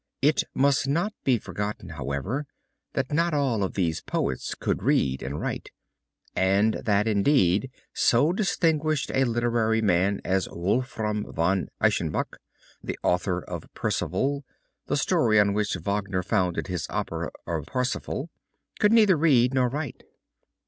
It must not be forgotten, however, that not all of these poets could read and write, and that indeed so distinguished a literary man as Wolfram von Eschenbach, the author of Percival, the story on which Wagner founded his opera of Parsifal, could neither read nor write.